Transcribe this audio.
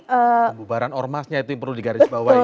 pembubaran ormasnya itu yang perlu digaris bawah ya